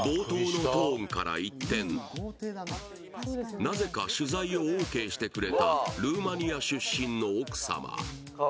なぜか取材をオーケーしてくれたルーマニア出身の奥様。